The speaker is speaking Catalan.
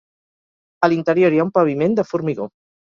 A l’interior hi ha un paviment de formigó.